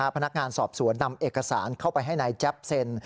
พนักงานสอบสวนนำเอกสารเข้าไปให้นายแจ๊บเซ็น